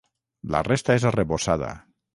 La resta és arrebossada.